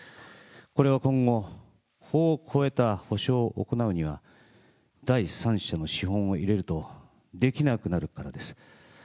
これは今後、法を超えた補償を行うには、第三者の資本を入れると、できなくなるからです。